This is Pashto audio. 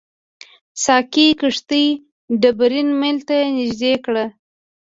ساقي کښتۍ ډبرین میل ته نږدې کړه.